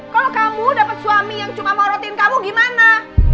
kalau kamu dapat suami yang cuma morotin kamu gimana